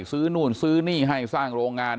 ซื้อนู่นซื้อนี่ให้สร้างโรงงาน